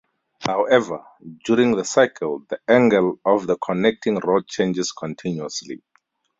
However, during the cycle, the angle of the connecting rod changes continuously.